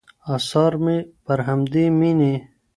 آثار مې پر همدې مینې